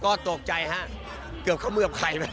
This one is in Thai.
ก็ตกใจครับเกือบเข้าเมื่อกับใคร